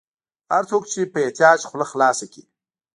هر څوک چې په احتیاج خوله خلاصه کړي.